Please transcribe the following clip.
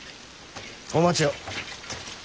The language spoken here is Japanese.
お待ちを。